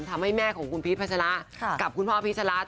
ทำให้แม่ของคุณพีชพัชระกับคุณพ่อพีชรัฐ